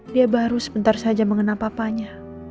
dia baru sebentar saja mengenal papanya